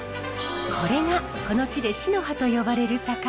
これがこの地でシノハと呼ばれる魚。